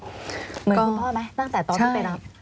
เหมือนคุณพ่อไหมตั้งแต่ตอนที่ไปรับ